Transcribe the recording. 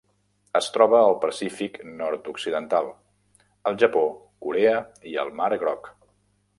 Es troba al Pacífic nord-occidental: el Japó, Corea i el mar Groc.